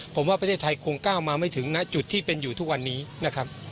ผมว่าประเทศไทยคงก้าวมาไม่ถึงนะจุดที่เป็นอยู่ทุกวันนี้นะครับ